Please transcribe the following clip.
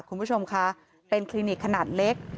คุณผู้ชมคะเป็นคลินิกขนาดเล็ก